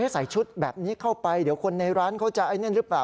ใส่ชุดแบบนี้เข้าไปเดี๋ยวคนในร้านเขาจะไอ้นั่นหรือเปล่า